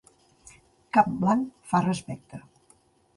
Cap blanc fa respecte.